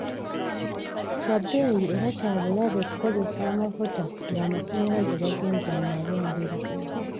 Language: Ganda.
Kya bbeeyi era kya bulabe okukozesa amafuta ng'amasannyalaze gagenze mu malwaliro.